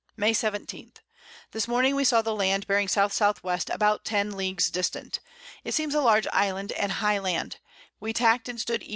May 17. This Morning we saw the Land bearing S. S. W. about 10 Leagues distant. It seems a large Island, and high Land: We tack'd and stood E.